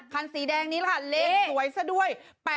คันสีแดงนี้ล่ะค่ะเลขสวยซะด้วย